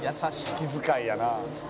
「気遣いやな」